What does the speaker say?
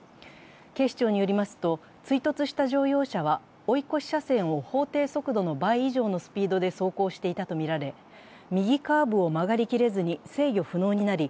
警視庁によりますと、追突した乗用車は追い越し車線を法定速度の倍以上のスピードで走行していたとみられ右カーブを曲がりきれずに制御不能になり、